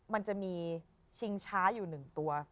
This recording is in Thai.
มันจะมีชิงช้าอยู่๑ตัว